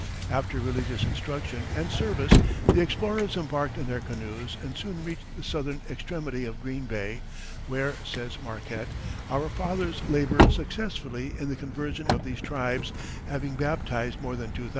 After religious instruction and service the explorers embarked in their canoes and soon reached the southern extremity of Green Bay, where, says Marquette, "our fathers labor successfully in the conversion of these tribes, having baptized more than 2,000."